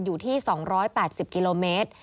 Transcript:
อยู่ที่๒๘๐กิโลเมตร